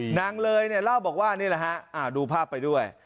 นางเลยเนี่ยเล่าบอกว่านี่แหละฮะดูภาพไปด้วย